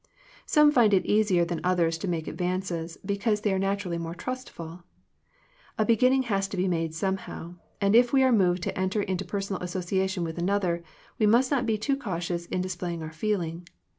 Some find it easier than others to make advances, because they are naturally more trustful. A beginning has to be made somehow, and if we are moved to enter into personal association with another, we must not be too cautious in display ing our feeling.